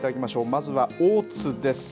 まずは大津です。